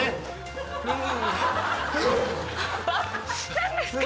何ですか？